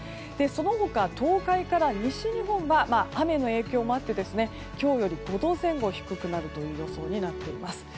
その他、東海から西日本は雨の影響もあって今日より５度前後低くなる予想になっています。